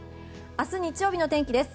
明日、日曜日の天気です。